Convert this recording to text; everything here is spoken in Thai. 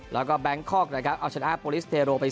แล้วก็แบงคอกนะครับเอาชนะโปรลิสเทโรไป